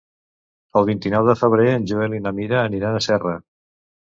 El vint-i-nou de febrer en Joel i na Mira aniran a Serra.